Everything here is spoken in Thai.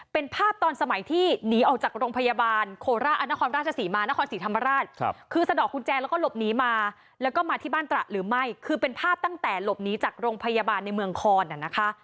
เป็นภาพตอนสมัยที่หนีออกจากโรงพยาบาลโคราชนครราชศรีมานครศรีธรรมราชคือสะดอกกุญแจแล้วก็หลบหนีมาแล้วก็มาที่บ้านตระหรือไม่คือเป็นภาพตั้งแต่หลบหนีจากโรงพยาบาลในเมืองคอนนะคะ